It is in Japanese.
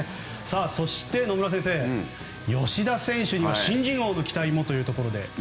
そして野村先生、吉田選手には新人王の期待もということで。